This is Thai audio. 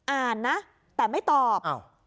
อ่านนะแต่ไม่ตอบ